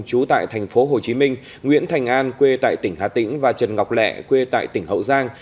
trú tại thành phố hồ chí minh nguyễn thành an quê tại tỉnh hà tĩnh và trần ngọc lẹ quê tại tỉnh hậu giang